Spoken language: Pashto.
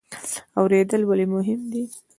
اوریدل ولې مهم دي؟